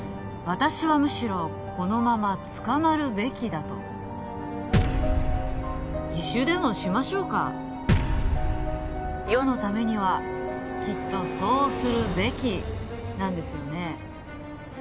私はむしろこのまま捕まるべきだと自首でもしましょうか世のためにはきっとそうする「べき」なんですよね